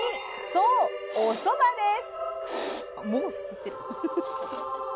そうおそばです！